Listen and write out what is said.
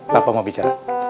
bapak mau bicara